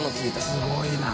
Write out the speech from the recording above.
すごいな。